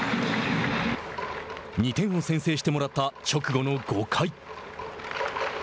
２点を先制してもらった直後の５回。